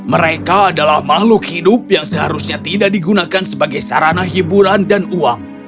mereka adalah makhluk hidup yang seharusnya tidak digunakan sebagai sarana hiburan dan uang